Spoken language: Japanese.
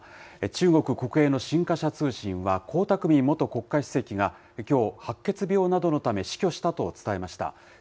中国国営の新華社通信は、江沢民元国家主席が、きょう、白血病などのため死去したと伝えました。